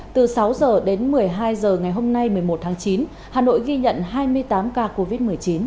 từ sáu h đến một mươi hai h ngày hôm nay một mươi một tháng chín hà nội ghi nhận hai mươi tám ca covid một mươi chín